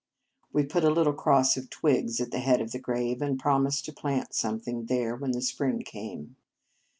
We put a little cross of twigs at the head of the grave, and promised to plant something there when the spring came.